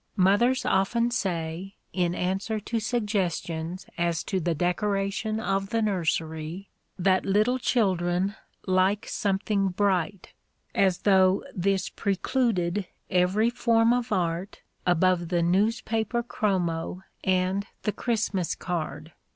Mothers often say, in answer to suggestions as to the decoration of the nursery, that little children "like something bright" as though this precluded every form of art above the newspaper chromo and the Christmas card!